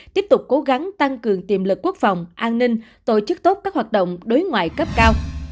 tiếp tục cố gắng tăng cường tiềm lực quốc phòng an ninh tổ chức tốt các hoạt động đối ngoại cấp cao